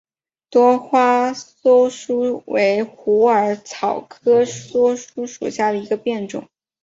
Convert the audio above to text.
多花溲疏为虎耳草科溲疏属下的一个变种。